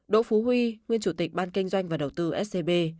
đỗ phú huy nguyên chủ tịch ban kinh doanh và đầu tư scb